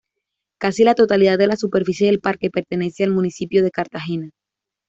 Casi la totalidad de la superficie del parque pertenece al municipio de Cartagena.